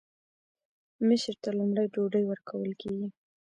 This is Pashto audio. مشر ته لومړی ډوډۍ ورکول کیږي.